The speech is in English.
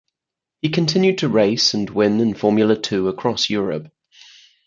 He continued to race and win in Formula Two across Europe.